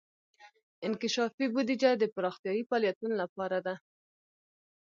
انکشافي بودیجه د پراختیايي فعالیتونو لپاره ده.